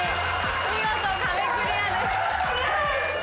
見事壁クリアです。